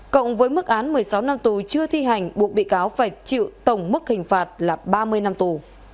cộng với mức án một mươi sáu năm tù chưa thi hành buộc bị cáo phải chịu tổng mức hình phạt là ba mươi năm tù